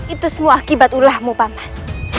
itu semua akibat ulahmu paman